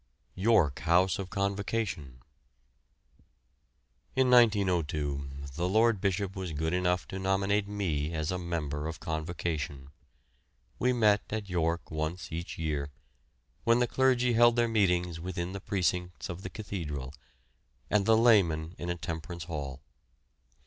YORK HOUSE OF CONVOCATION. In 1902 the Lord Bishop was good enough to nominate me as a member of Convocation. We met at York once each year, when the clergy held their meetings within the precincts of the cathedral, and the laymen in a temperance hall.